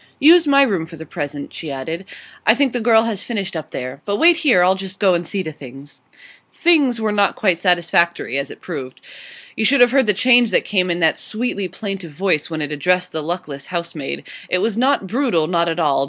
'Use my room for the present,' she added. 'I think the girl has finished up there. But wait here; I'll just go and see to things.' 'Things' were not quite satisfactory, as it proved. You should have heard the change that came in that sweetly plaintive voice when it addressed the luckless housemaid. It was not brutal; not at all.